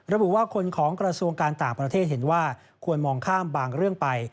ระบุว่าคนของกระทรวงการต่างประเทศเห็นว่าควรมองข้ามบางเรื่องไป